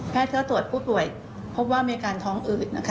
ก็ตรวจผู้ป่วยพบว่ามีอาการท้องอืด